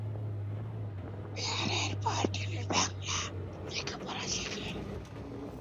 বিবাহের পর তিনি বাংলা লেখাপড়া শেখেন।